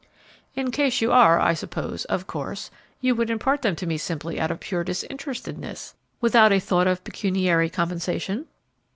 "In case you are, I suppose, of course, you would impart them to me simply out of pure disinterestedness, without a thought of pecuniary compensation?"